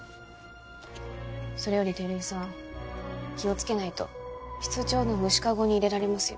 それより照井さん気をつけないと室長の無視カゴに入れられますよ。